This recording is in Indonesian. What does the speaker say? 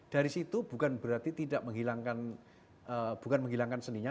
dari situ bukan berarti tidak menghilangkan bukan menghilangkan seninya